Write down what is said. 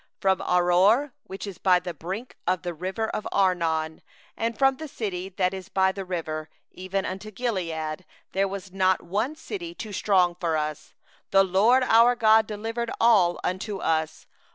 36From Aroer, which is on the edge of the valley of Arnon, and from the city that is in the valley, even unto Gilead, there was not a city too high for us: the LORD our God delivered up all before us.